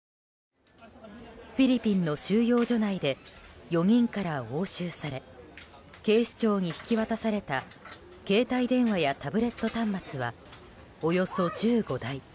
フィリピンの収容所内で４人から押収され警視庁に引き渡された携帯電話やタブレット端末はおよそ１５台。